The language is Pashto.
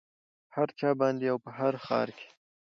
په هر چا باندې او په هر ښار کې